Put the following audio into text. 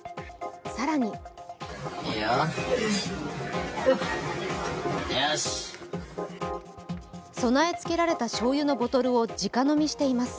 更に備えつけられたしょうゆのボトルを直飲みしています。